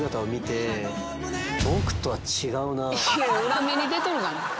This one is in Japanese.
裏目に出とるがな。